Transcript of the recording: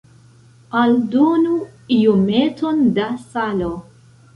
Aldonu iometon da salo.